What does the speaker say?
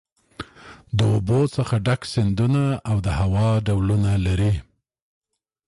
د اوبو څخه ډک سیندونه او د هوا ډولونه لري.